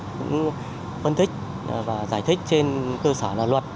cũng phân tích và giải thích trên cơ sở là luật